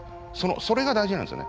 それが大事なんですよね。